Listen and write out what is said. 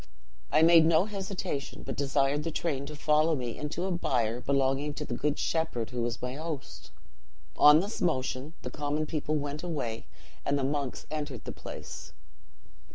"I made no hesitation, but desired the train to follow me into a byre belonging to the good shepherd who was my host. On this motion the common people went away, and the monks entered the place.